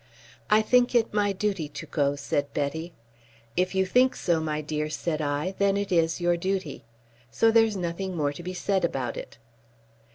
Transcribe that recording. "I think it my duty to go," said Betty. "If you think so, my dear," said I, "then it is your duty. So there's nothing more to be said about it."